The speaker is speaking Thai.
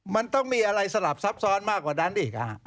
มันต้องมีอะไรสลับซับซ้อนมากกว่านั้นอีก